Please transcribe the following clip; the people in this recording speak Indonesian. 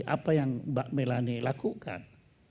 apa yang mbak melani lakukan